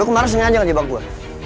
lu kemarin sengaja ngejebak gua